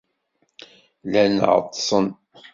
Llan ɛeḍḍsen.